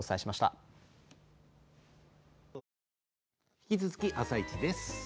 引き続き「あさイチ」です。